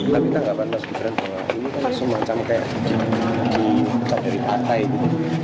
tapi tanggapan mas gibran pengalaman ini kan langsung macam kayak dikat dari patai gitu